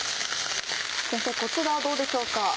先生こちらはどうでしょうか？